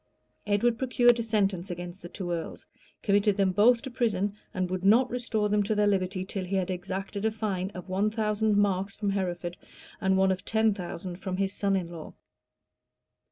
Edward procured a sentence against the two earls, committed them both to prison, and would not restore them to their liberty, till he had exacted a fine of one thousand marks from Hereford, and one of ten thousand from his son in law.